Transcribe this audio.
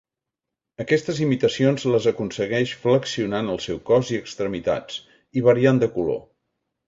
Aquestes imitacions les aconsegueix flexionant el seu cos i extremitats, i variant de color.